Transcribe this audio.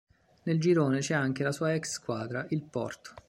Nel girone c'è anche la sua ex squadra, il Porto.